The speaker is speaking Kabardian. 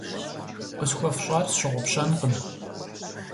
- Къысхуэфщӏар сщыгъупщэнкъым.